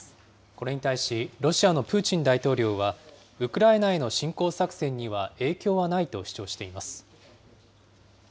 これに対しロシアのプーチン大統領は、ウクライナへの侵攻作戦には影響はないと主張しています。